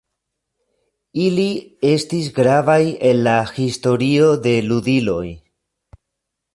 Ili estis gravaj en la historio de ludiloj.